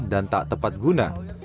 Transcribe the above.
dan tak tepat guna